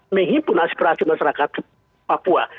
menghimpun aspirasi masyarakat papua